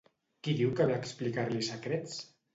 Qui diu que ve a explicar-li secrets?